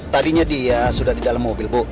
tadinya dia sudah di dalam mobil bu